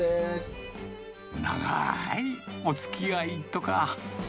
長ーいおつきあいとか。